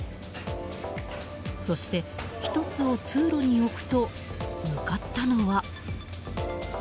そして、１つを通路に置くと向かったのは。